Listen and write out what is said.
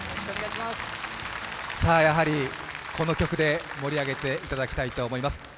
やはりこの曲で盛り上げていただきたいと思います。